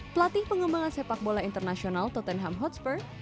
pelatih pengembangan sepak bola internasional totemhotspur